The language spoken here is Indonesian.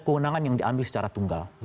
kewenangan yang diambil secara tunggal